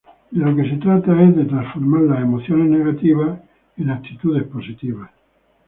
De lo que se trata es transformar las emociones negativas en actitudes positivas.